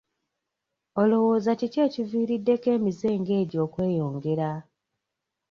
Olowooza kiki ekiviiriddeko emize nga egyo okweyongera?